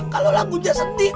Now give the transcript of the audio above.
kalau lagunya sedih